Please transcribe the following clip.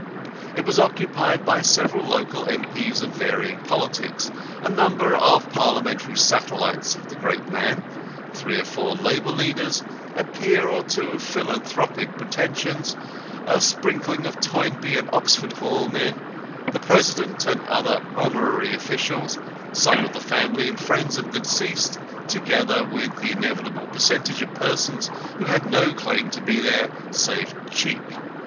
It was occupied by several local M.P.'s of varying politics, a number of other Parliamentary satellites of the great man, three or four labour leaders, a peer or two of philanthropic pretensions, a sprinkling of Toynbee and Oxford Hall men, the president and other honorary officials, some of the family and friends of the deceased, together with the inevitable percentage of persons who had no claim to be there save cheek.